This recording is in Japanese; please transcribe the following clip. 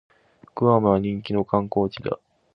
グアムは人気の観光地だ